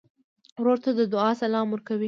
ورور ته د دعا سلام ورکوې.